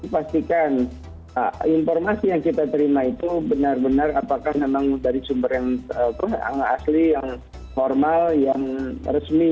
pastikan informasi yang kita terima itu benar benar apakah memang dari sumber yang asli yang normal yang resmi